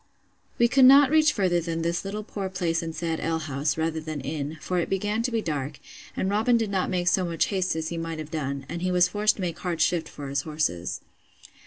We could not reach further than this little poor place and sad alehouse, rather than inn; for it began to be dark, and Robin did not make so much haste as he might have done; and he was forced to make hard shift for his horses.